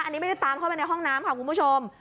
อันนี้ไม่ได้ตามเข้าไปในห้องน้ำค่ะคุณผู้ชม